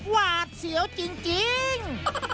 หวาดเสียวจริง